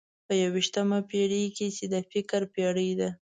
په یوویشتمه پېړۍ کې چې د فکر پېړۍ ده.